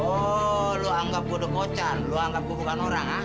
oh lo anggap gue dokocan lo anggap gue bukan orang hah